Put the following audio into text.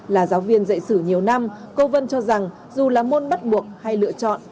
là giáo viên dạy sử nhiều năm cô vân cho rằng dù là môn bắt buộc hay lựa chọn